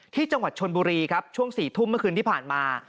ที่จังหวัดชนบุรีครับช่วง๔ทุ่มเมื่อคืนที่ผ่านมา